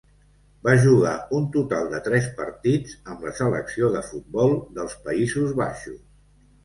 Va jugar un total de tres partits amb la selecció de futbol dels Països Baixos.